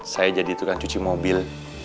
saya jadi tukang cuci mobil